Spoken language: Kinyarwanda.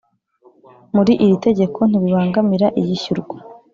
muri iri tegeko ntibibangamira iyishyurwa